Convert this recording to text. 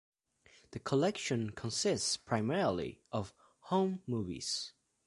The collection consists primarily of home movies.